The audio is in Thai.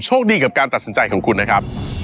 ดีกับการตัดสินใจของคุณนะครับ